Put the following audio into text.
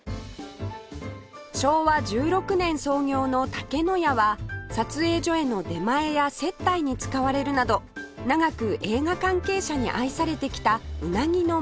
昭和１６年創業の竹乃家は撮影所への出前や接待に使われるなど長く映画関係者に愛されてきたうなぎの名店です